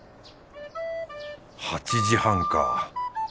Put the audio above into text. ８時半か。